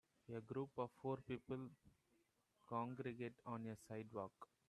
A group of four people congregate on a sidewalk.